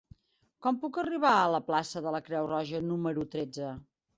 Com puc arribar a la plaça de la Creu Roja número tretze?